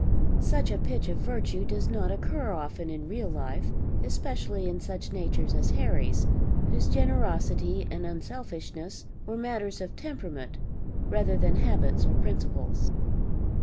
Such a pitch of virtue does not occur often in real life, especially in such natures as Harry's, whose generosity and unselfishness were matters of temperament rather than habits or principles.